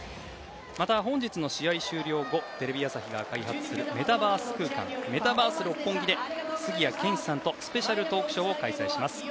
また、本日の試合終了後テレビ朝日が開発するメタバース空間メタバース六本木で杉谷拳士さんとスペシャルトークショーを開催します。